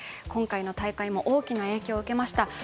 今回の大会も大きな影響を受けました。